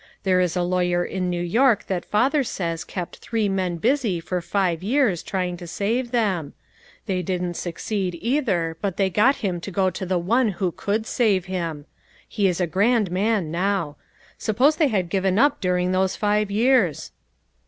There is a lawyer in New York that father says kept three men busy for five years trying to save him. They didn't succeed, either, but they got him to go to the One who could save him. He is a grand man now. Sup pose they had given up during those five years